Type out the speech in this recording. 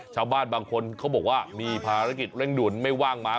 ชาวบ้านบางคนเขาบอกว่ามีภารกิจเร่งด่วนไม่ว่างมา